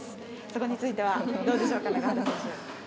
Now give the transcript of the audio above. そこについてはどうでしょうか永原選手。